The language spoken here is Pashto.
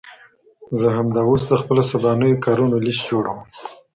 زه همدا اوس د خپلو سبانیو کارونو ليست جوړوم.